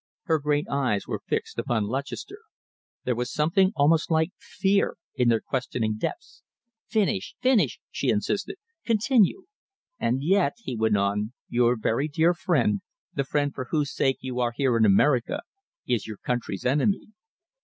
Her great eyes were fixed upon Lutchester. There was something almost like fear in their questioning depths. "Finish! Finish!" she insisted. "Continue!" "And yet," he went on, "your very dear friend, the friend for whose sake you are here in America, is your country's enemy."